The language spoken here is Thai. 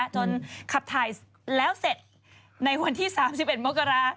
ขับถ่ายแล้วเสร็จในวันที่๓๑มกรา